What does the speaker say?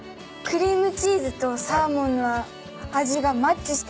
クリームチーズとサーモンの味がマッチしてる。